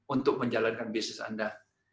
untuk menjalankan bisnis anda